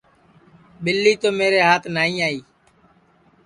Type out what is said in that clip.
ٻیلی تو میرے ہات نائی آئی